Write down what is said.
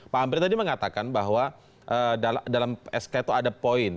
pak amri tadi mengatakan bahwa dalam sk itu ada poin